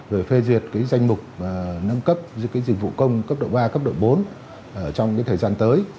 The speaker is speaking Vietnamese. rồi phê duyệt danh mục nâng cấp dịch vụ công cấp độ ba cấp độ bốn trong thời gian tới